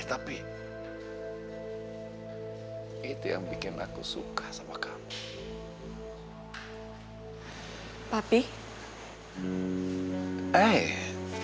tapi kenapa sih